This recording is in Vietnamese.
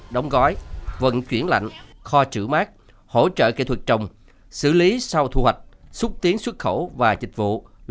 đóng gói vận chuyển lạnh kho trữ mát hỗ trợ kỹ thuật trồng xử lý sau thu hoạch xúc tiến xuất khẩu và dịch vụ